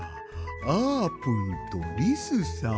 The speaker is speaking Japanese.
あーぷんとリスさん。